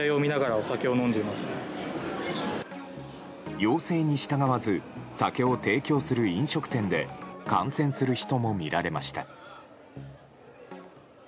要請に従わず酒を提供する飲食店で観戦する人も見られました。